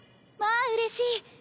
まあうれしい。